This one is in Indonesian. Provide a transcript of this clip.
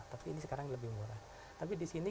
tapi ini sekarang lebih murah tapi di sini